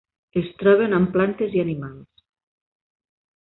Es troben en plantes i animals.